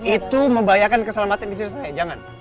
itu membahayakan keselamatan istri saya jangan